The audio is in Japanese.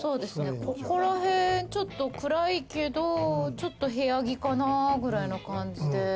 ここらへんちょっと暗いけど部屋着かなくらいの感じで。